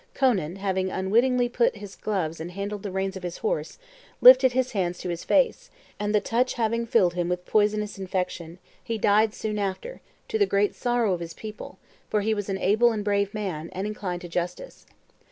Conan, having unwittingly put on his gloves and handled the reins of his horse, lifted his hands to his face, and the touch having filled him with poisonous infection, he died soon after, to the great sorrow of his people, for he was an able and brave man, and inclined to justice.